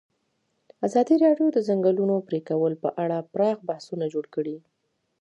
ازادي راډیو د د ځنګلونو پرېکول په اړه پراخ بحثونه جوړ کړي.